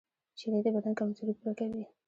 شیدې د بدن کمزوري پوره کوي